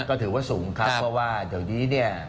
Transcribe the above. ก็ถือว่าสูงครับเพราะว่าเดี๋ยวนี้เนี่ย